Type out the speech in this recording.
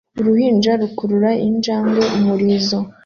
Uruhinja rukurura injangwe umurizo